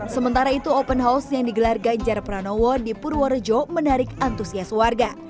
sementara itu open house yang digelar ganjar pranowo di purworejo menarik antusias warga